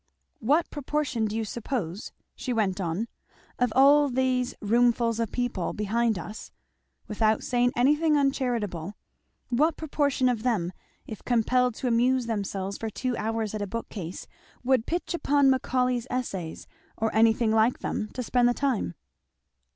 "What proportion do you suppose," she went on, "of all these roomfuls of people behind us, without saying anything uncharitable, what proportion of them, if compelled to amuse themselves for two hours at a bookcase, would pitch upon Macaulay's Essays, or anything like them, to spend the time?"